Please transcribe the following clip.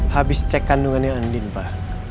habis cek kandungannya andin pak